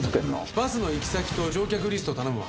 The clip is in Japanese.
バスの行き先と乗客リストを頼むわ。